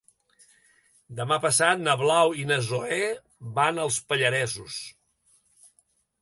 Demà passat na Blau i na Zoè van als Pallaresos.